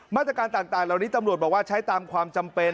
มาตรการต่างเหล่านี้ตำรวจบอกว่าใช้ตามความจำเป็น